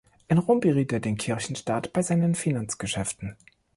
In Rom beriet er den Kirchenstaat bei seinen Finanzgeschäften.